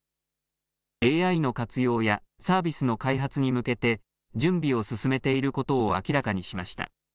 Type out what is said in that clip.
ＡＩの活用やサービスの開発に向けて準備を進めていることを明らかにしました。